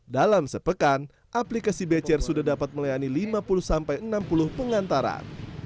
dalam sepekan aplikasi bcr sudah dapat melayani lima puluh sampai enam puluh pengantaran